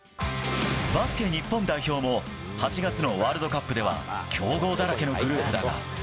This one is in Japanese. バスケ日本代表も、８月のワールドカップでは強豪だらけのグループだが。